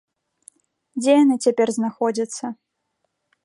Дзе яны цяпер знаходзяцца?